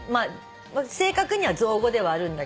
正確には造語ではあるんだけども。